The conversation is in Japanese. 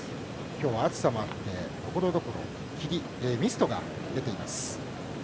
きょうは、暑さもあってところどころ霧ミストが出ています